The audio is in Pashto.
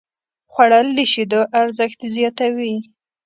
خوړل د شیدو ارزښت زیاتوي